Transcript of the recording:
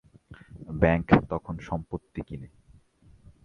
Bank তখন সম্পত্তি কিনে।